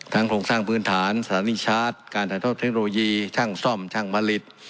ทั้งโครงสร้างพื้นฐานสถานีชาร์จการถัดทอดเทคโนโลยีทั้งซ่อมทั้งผลิต